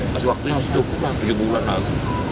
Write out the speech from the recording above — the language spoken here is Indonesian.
masih waktunya harus cukup lah tujuh bulan lagi